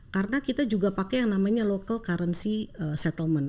karena kita juga pakai yang namanya local currency settlement